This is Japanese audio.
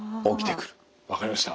分かりました。